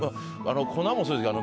粉もそうですけど。